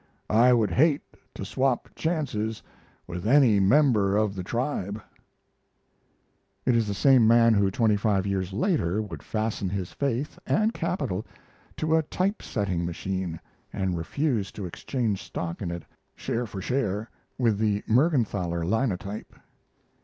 I would hate to swap chances with any member of the tribe.... It is the same man who twenty five years later would fasten his faith and capital to a type setting machine and refuse to exchange stock in it, share for share, with the Mergenthaler linotype.